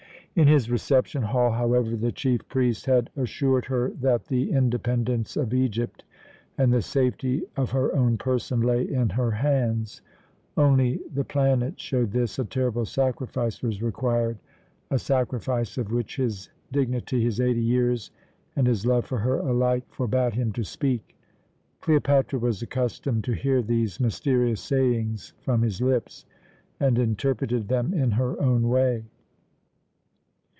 In his reception hall, however, the chief priest had assured her that the independence of Egypt and the safety of her own person lay in her hands; only the planets showed this a terrible sacrifice was required a sacrifice of which his dignity, his eighty years, and his love for her alike forbade him to speak. Cleopatra was accustomed to hear these mysterious sayings from his lips, and interpreted them in her own way.